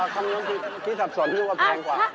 ครั้งนี้ที่สับสนพี่ว่าแพงกว่า